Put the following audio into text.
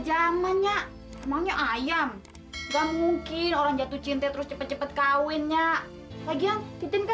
zaman ya emangnya ayam nggak mungkin orang jatuh cinta terus cepet cepet kawinnya lagi yang titik